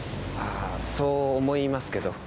あぁそう思いますけど。